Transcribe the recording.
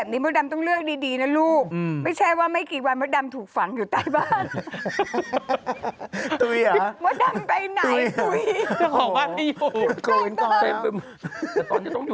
ฮะล่ะพูดไปหน่อยหน่อย